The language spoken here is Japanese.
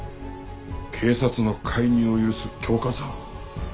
警察の介入を許す恐喝犯。